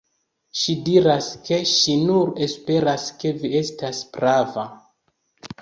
Ŝi diras, ke ŝi nur esperas, ke vi estas prava.